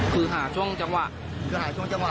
คือหาช่วงจังหวะ